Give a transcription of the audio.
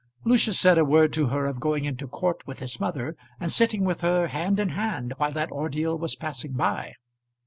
Lucius said a word to her of going into court with his mother, and sitting with her, hand in hand, while that ordeal was passing by.